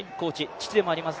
父でもあります